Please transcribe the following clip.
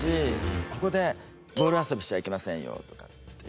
ここでボール遊びしちゃいけませんよとかっていう。